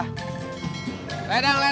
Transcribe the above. ledang ledang ledang